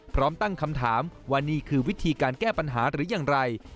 พร้อมตั้งคำถามว่านี่คือวิธีการแก้ปัญหาหรืออย่างไร